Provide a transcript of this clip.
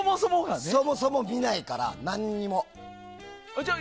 そもそも見ないから、何も。